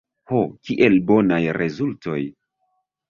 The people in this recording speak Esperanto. Ho, kiel bonaj rezultoj!